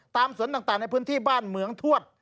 สวนต่างในพื้นที่บ้านเหมืองทวด